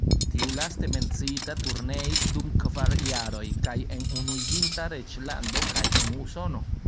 Tiu laste menciita turneis dum kvar jaroj, kaj en Unuiĝinta Reĝlando kaj en Usono.